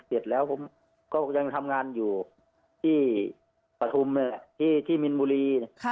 เสร็จแล้วผมก็ยังทำงานอยู่ที่ปฐุมที่มินบุรี